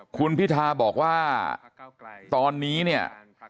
คุณพิทาบอกว่าตอนนี้เนี่ย